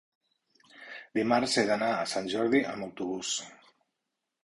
Dimarts he d'anar a Sant Jordi amb autobús.